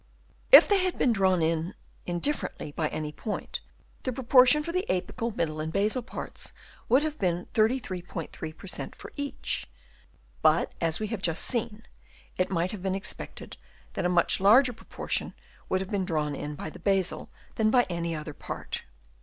If they had been drawn indifferently by any point, the proportion for the apical, middle and basal parts would have been 33*3 per cent, for each ; but, as we have just seen, it might have been expected that a much larger proportion would have been drawn in by the basal than by any other part.